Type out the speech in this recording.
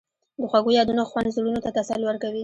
د خوږو یادونو خوند زړونو ته تسل ورکوي.